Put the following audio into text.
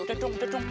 udah dong udah dong